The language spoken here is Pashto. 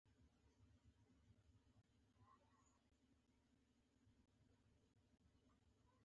یو څو دقیقې وروسته عربي سټایل لللووللوو شروع شوه.